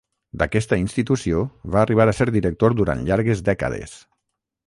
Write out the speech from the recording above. D'aquesta institució va arribar a ser director durant llargues dècades.